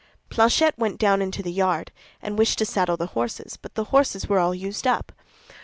Planchet went down into the yard, and wished to saddle the horses; but the horses were all used up.